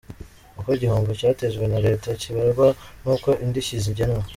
Uko igihombo cyatejwe na Leta kibarwa n’uko indishyi zigenwa.